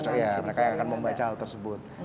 mereka yang akan membaca hal tersebut